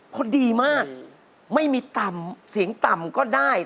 พอดีมากไม่มีต่ำเสียงต่ำก็ได้